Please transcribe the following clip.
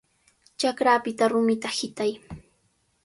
¡Chakrapita rumita hitay!